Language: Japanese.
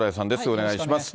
お願いします。